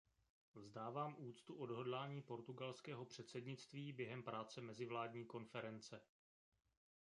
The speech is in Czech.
Vzdávám úctu odhodlání portugalského předsednictví během práce mezivládní konference.